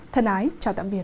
thân ái chào tạm biệt